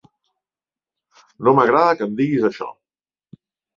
No m'agrada que em diguis això.